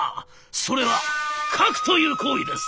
それは書くという行為です。